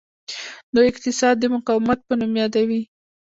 دوی اقتصاد د مقاومت په نوم یادوي.